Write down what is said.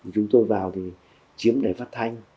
chúng tôi vào thì chiếm đài phát thanh